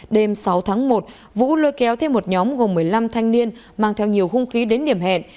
đêm sáu tháng một vũ lôi kéo thêm một nhóm gồm một mươi năm thanh niên mang theo nhiều hung khí đến điểm hẹn